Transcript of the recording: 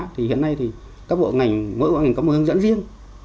thì hiện nay thì các bộ ngành mỗi bộ ngành có một hướng dẫn riêng